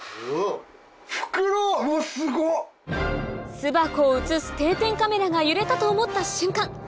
巣箱を映す定点カメラが揺れたと思った瞬間！